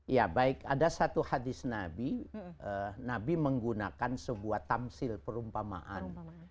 ya baik ada satu hadis nabi nabi menggunakan sebuah tamsil perumpamaan